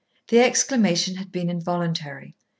The exclamation had been involuntary.